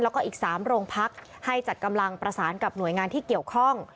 แล้วก็อีก๓โรงพักให้จัดกำลังประสานกับหน่วยงานที่เกี่ยวข้อง